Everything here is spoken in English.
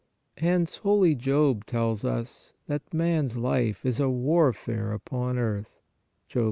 Hence holy Job tells us that " Man s life is a warfare upon earth " (Job 7.